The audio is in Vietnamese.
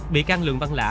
bị can lương văn lã